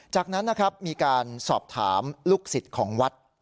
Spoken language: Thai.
จากนั้นนะครับมีการสอบถามลูกศิษย์ของวัด